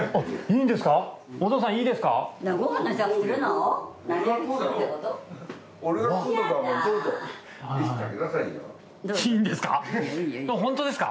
いいんですか？